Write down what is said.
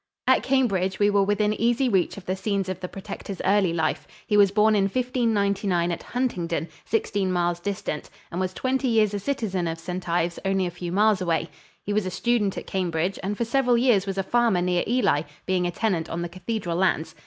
At Cambridge we were within easy reach of the scenes of the Protector's early life. He was born in 1599 at Huntingdon, sixteen miles distant, and was twenty years a citizen of St. Ives, only a few miles away. He was a student at Cambridge and for several years was a farmer near Ely, being a tenant on the cathedral lands.